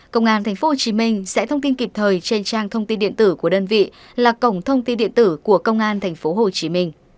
công an tp hcm sẽ thông tin kịp thời trên trang thông tin điện tử của đơn vị là cổng thông tin điện tử của công an tp hcm